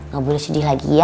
gak boleh sedih lagi ya